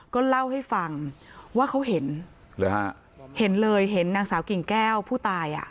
ก็เล่าให้ฟังว่าเขาเห็นหรือฮะเห็นเลยเห็นนางสาวกิ่งแก้วผู้ตายอ่ะ